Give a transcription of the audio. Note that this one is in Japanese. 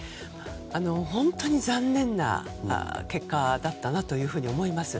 本当に残念な結果だったなと思います。